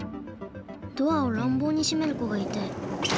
ドアをらんぼうにしめる子がいて。